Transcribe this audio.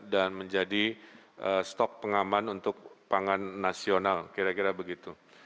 dan menjadi stok pengaman untuk pangan nasional kira kira begitu